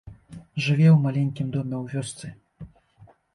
Жыве ў маленькім доме ў вёсцы.